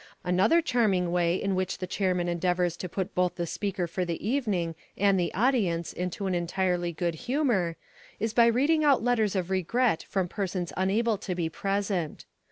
Another charming way in which the chairman endeavours to put both the speaker for the evening and the audience into an entirely good humour, is by reading out letters of regret from persons unable to be present.